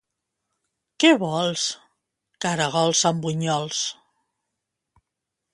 Què vols? / —Caragols amb bunyols.